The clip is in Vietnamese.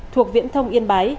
thuộc viễn thông yên bái